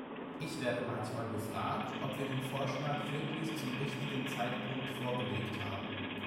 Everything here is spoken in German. Ich werde manchmal gefragt, ob wir den Vorschlag wirklich zum richtigen Zeitpunkt vorgelegt haben.